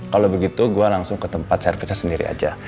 kalo begitu gue langsung ke tempat servisnya sendiri aja